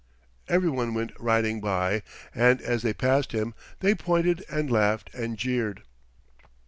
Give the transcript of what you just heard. Every one went riding by, and as they passed him they pointed and laughed and jeered.